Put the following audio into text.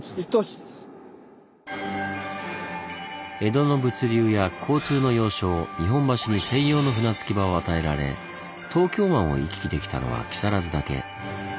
江戸の物流や交通の要衝日本橋に専用の船着き場を与えられ東京湾を行き来できたのは木更津だけ。